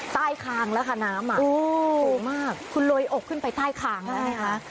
อ๋อใต้คางแล้วค่ะน้ำอู๋โหมากคุณโรยอกขึ้นไปใต้คางแล้วนี่ค่ะ